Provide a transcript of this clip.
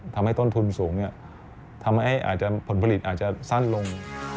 ทำให้ต้นทุนสูงทำให้อาจจะผลผลิตอาจจะสั้นลง